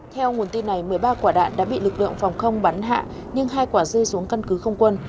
theo nguồn tin này một mươi ba quả đạn đã bị lực lượng phòng không bắn hạ nhưng hai quả rơi xuống căn cứ không quân